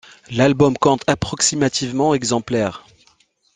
L'album compte approximativement exemplaires.